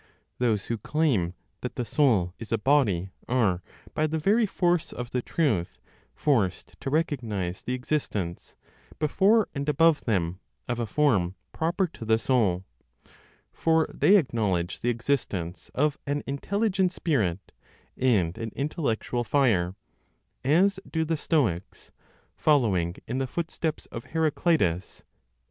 Those who claim that the soul is a body are, by the very force of the truth, forced to recognize the existence, before and above them, of a form proper to the soul; for they acknowledge the existence of an intelligent spirit, and an intellectual fire (as do the Stoics, following in the footsteps of Heraclitus, Stobaeus).